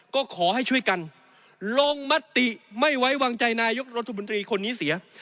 ก็ขอให้ช่วยกันลงมติไม่ไว้วางใจนายกรัฐมนตรีคนนี้เสีย